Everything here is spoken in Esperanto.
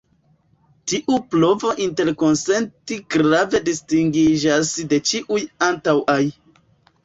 Tiu provo interkonsenti grave distingiĝas de ĉiuj antaŭaj.